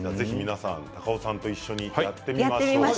高尾さんと一緒にやってみましょう。